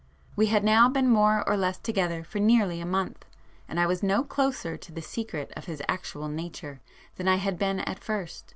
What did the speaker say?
We had now been more or less together for nearly a month, and I was no closer to the secret of his actual nature than I had been at first.